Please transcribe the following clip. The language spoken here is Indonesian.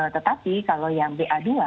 tetapi kalau yang b a dua ini